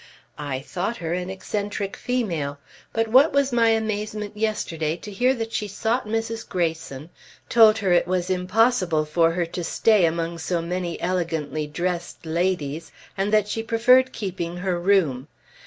I thought her an eccentric female; but what was my amazement yesterday to hear that she sought Mrs. Greyson, told her it was impossible for her to stay among so many elegantly dressed ladies, and that she preferred keeping her room.